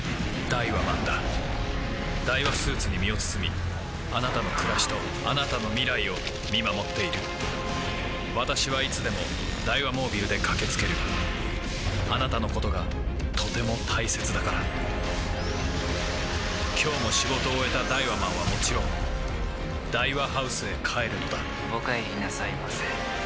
ダイワスーツに身を包みあなたの暮らしとあなたの未来を見守っている私はいつでもダイワモービルで駆け付けるあなたのことがとても大切だから今日も仕事を終えたダイワマンはもちろんダイワハウスへ帰るのだお帰りなさいませ。